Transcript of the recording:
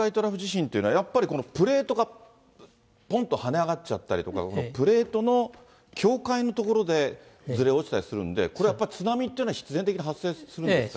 これ、南海トラフ地震というのは、やっぱりこのプレートがぽんと跳ね上がっちゃったりとか、プレートの境界の所でずれ落ちたりするんで、これはやっぱり、津波っていうのは必然的に発生するんですか。